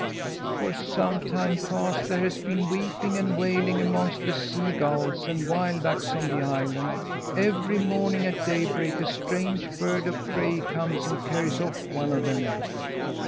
"For some time past there has been weeping and wailing amongst the sea gulls and wild ducks on the island. Every morning at daybreak a strange bird of prey comes and carries off one of them."